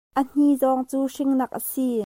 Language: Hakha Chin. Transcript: A hni zawng cu hringnak a si.